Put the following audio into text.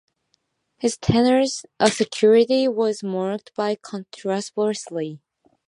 His tenure as Secretary was marked by controversy.